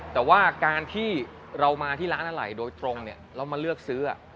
แต่ว่าการที่เรามาที่ร้านอะไรโดยตรงเนี่ยเรามาเลือกซื้อ